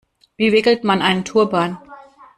Wie wickelt man einen Turban?